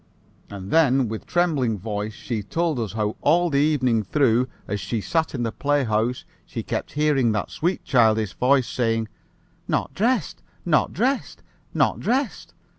And then, with trembling voice, she told us how all the evening through, as she sat in the playhouse she kept hearing that sweet childish voice saying 'Not dressed! Not dressed! Not dressed!'